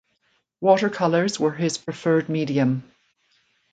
Watercolors were his preferred medium.